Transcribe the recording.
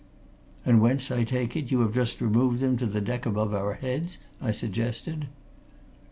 "And whence, I take it, you have just removed them to the deck above our heads?" I suggested.